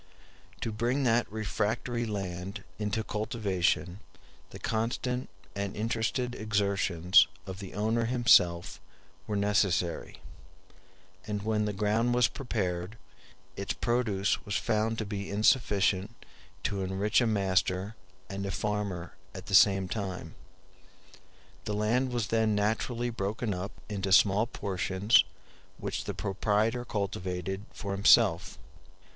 To bring that refractory land into cultivation, the constant and interested exertions of the owner himself were necessary; and when the ground was prepared, its produce was found to be insufficient to enrich a master and a farmer at the same time. The land was then naturally broken up into small portions, which the proprietor cultivated for himself.